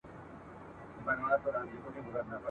نه پېچومي کږلېچونه نه په مخ کي ورکي لاري ..